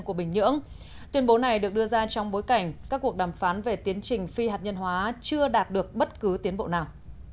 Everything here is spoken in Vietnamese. tuyên bố này được đưa ra trong bối cảnh các cuộc đàm phán về tiến trình phi hạt nhân hóa chưa đạt được bất cứ tiến bộ nào